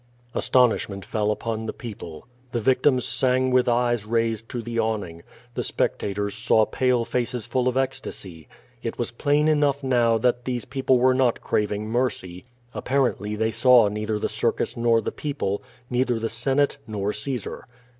Astonishment fell upon the people. The victims sang with eyes raised to the awning. The spectators saw pale faces full of* ecstasy. It was plain enough now that these people were not craving mercy. Apparently, they saw neither the circus nor the people, neither the senate, nor Caesar.